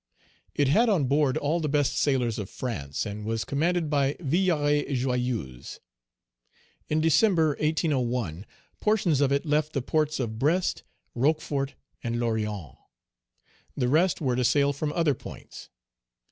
It had on board all the best sailors of France, and was commanded by Villaret Joyeuse. In December, 1801, portions of it left the ports of Brest, Rochefort, and Lorient. The rest were to sail from other points.